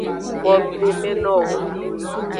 Bonudemenowo.